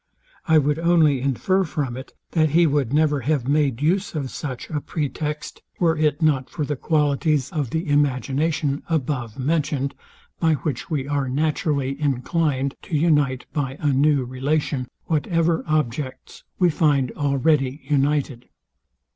I would only infer from it, that he would never have made use of such a pretext, were it not for the qualities of the imagination above mentioned, by which we are naturally inclined to unite by a new relation whatever objects we find already united.